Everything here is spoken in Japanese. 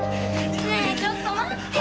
ねえちょっと待ってよ。